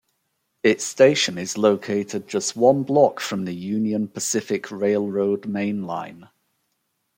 Its station is located just one block from the Union Pacific Railroad mainline.